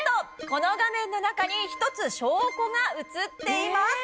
この画面の中に１つ証拠がうつっています